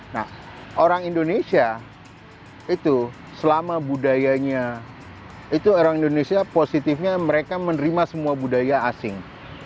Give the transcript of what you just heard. nah orang indonesia itu selama budayanya itu orang indonesia positifnya mereka menerima semua budaya asing